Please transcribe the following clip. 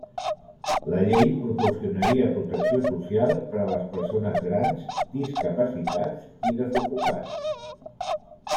La llei proporcionaria protecció social per a les persones grans, discapacitats i desocupats.